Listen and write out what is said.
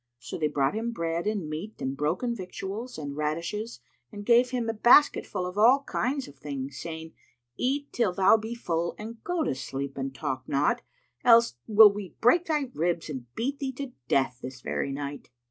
So they brought him bread and meat and broken victuals and radishes and gave him a basket full of all kinds of things, saying, "Eat till thou be full and go to sleep and talk not, else will we break thy ribs and beat thee to death this very night."